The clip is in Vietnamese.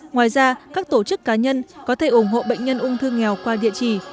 ngoài ra các tổ chức cá nhân có thể ủng hộ bệnh nhân ung thư nghèo qua địa chỉ